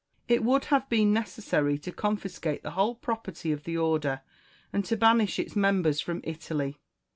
It would have been necessary to confiscate the whole property of the Order, and to banish its members from Italy.